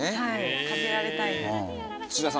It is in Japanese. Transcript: はいかけられたいです。